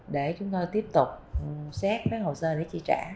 để chúng ta tiếp tục xét cái hồ sơ để trị trả